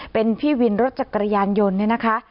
เป็นพี่วินรถจักรยานยนต์